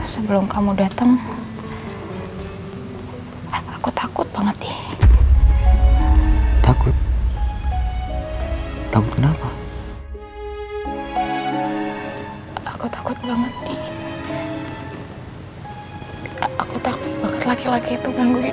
sebelum kamu datang